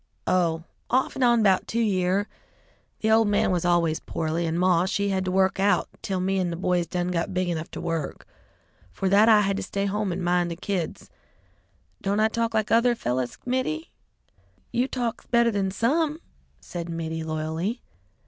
Oh, off and on 'bout two year. The old man was always poorly, and Maw, she had to work out, till me an' the boys done got big enough to work. 'Fore that I had to stay home and mind the kids. Don't I talk like other fellers, Mittie?" "You talk better than some," said Mittie loyally.